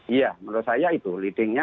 iya menurut saya itu leading nya